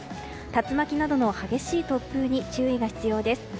竜巻などの激しい突風に注意が必要です。